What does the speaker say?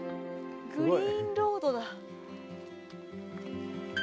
グリーンロードだ。